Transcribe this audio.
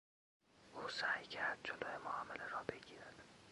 او سعی کرد جلو معامله را بگیرد.